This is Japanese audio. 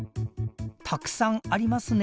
たくさんありますね。